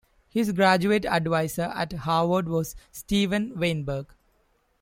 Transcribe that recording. His graduate adviser at Harvard was Steven Weinberg.